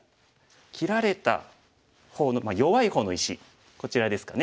切られた方の弱い方の石こちらですかね。